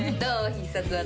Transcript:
必殺技。